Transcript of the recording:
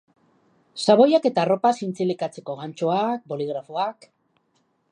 Xaboiak eta arropa zintzilikatzeko gantxoak, boligrafoak...